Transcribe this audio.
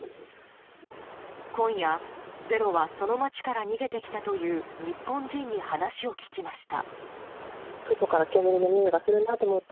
今夜、「ｚｅｒｏ」はその街から逃げてきたという日本人に話を聞きました。